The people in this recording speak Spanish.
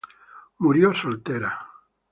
Murió soltera.